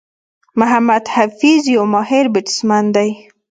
محمد حفيظ یو ماهر بيټسمېن دئ.